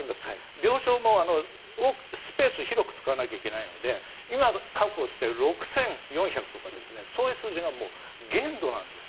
病床も広くスペースを使わないといけないので今確保している６４００とかそういう数字がもう限度なんです。